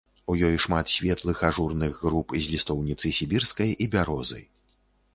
У ёй шмат светлых ажурных груп з лістоўніцы сібірскай і бярозы.